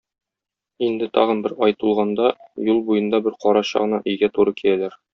Инде тагы бер ай тулганда, юл буенда бер карача гына өйгә туры киләләр.